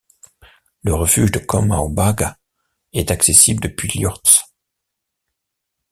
Le refuge de Coma Obaga est accessible depuis Llorts.